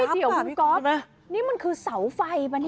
เดี๋ยวคุณก๊อตนี่มันคือเสาไฟมั้นไหม